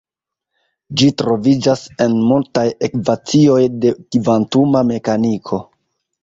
Ĝi troviĝas en multaj ekvacioj de kvantuma mekaniko.